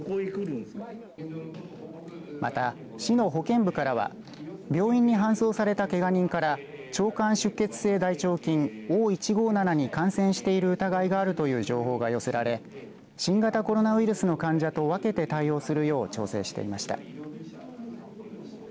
また、市の保健部からは病院に搬送されたけが人から腸管出血性大腸菌Ｏ−１５７に感染している疑いがあるという情報が寄せられ新型コロナウイルスの患者と分けて対応するよう調整していました。